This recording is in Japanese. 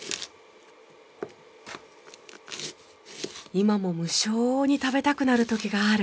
今も無性に食べたくなる時がある。